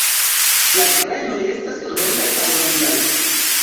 La grajnoj estas rondaj aŭ longaj.